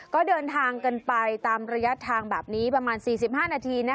ก็เดินทางกันไปตามระยะทางแบบนี้ประมาณ๔๕นาที